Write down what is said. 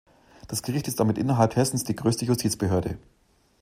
Das Gericht ist damit innerhalb Hessens die größte Justizbehörde.